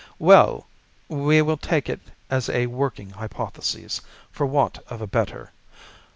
"Well, we will take it as a working hypothesis for want of a better.